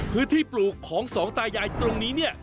ปลูกของสองตายายตรงนี้เนี่ย